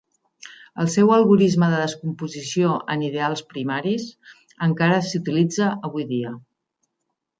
El seu algorisme de descomposició en ideals primaris encara s'utilitza avui dia.